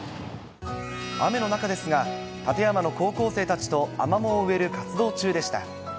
雨の中ですが、館山の高校生たちとアマモを植える活動中でした。